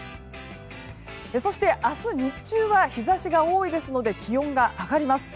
そして、明日日中は日差しが多いですので気温が上がります。